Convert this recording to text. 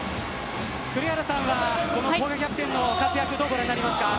栗原さんは古賀キャプテンの活躍どうご覧になりますか。